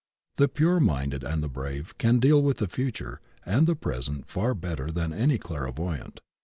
The pure minded and the brave can deal with the future and the present far bet^ ter than any clairvoyant.